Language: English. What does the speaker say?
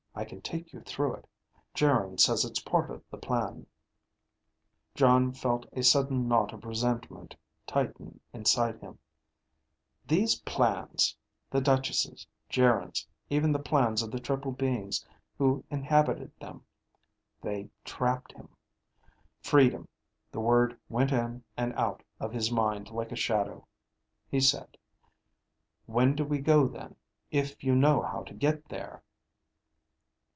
I can take you through it. Geryn says it is part of the plan." Jon felt a sudden knot of resentment tighten inside him. These plans the Duchess', Geryn's, even the plans of the triple beings who inhabited them they trapped him. Freedom. The word went in and out of his mind like a shadow. He said, "When do we go then, if you know how to get there?"